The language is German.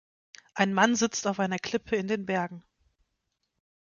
Ein Mann sitzt auf einer Klippe in den Bergen.